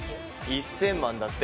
１０００万だって。